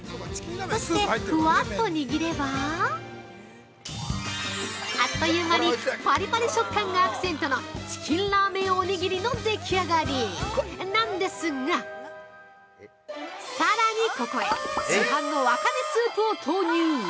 そして、ふわっと握ればあっという間にパリパリ食感がアクセントのチキンラーメンおにぎりのでき上がり！なんですがさらにここへ市販のワカメスープを投入！